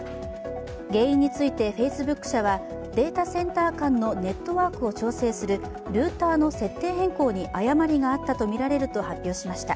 原因についてフェイスブック社はデータセンター間のネットワークを調整するルーターの設定変更に誤りがあったとみられると発表しました。